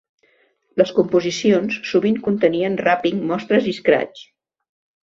Les composicions sovint contenien rapping, mostres i scratch.